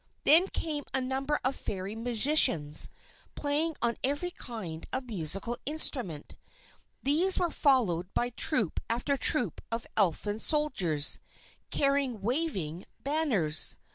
Then came a number of Fairy musicians playing on every kind of musical instrument. These were followed by troop after troop of Elfin soldiers, carrying waving banners.